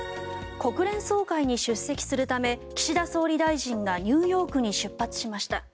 国連総会に出席するため岸田総理大臣がニューヨークに出発しました。